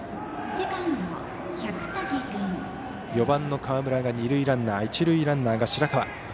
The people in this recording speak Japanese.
４番の河村が二塁ランナー一塁ランナーが白川。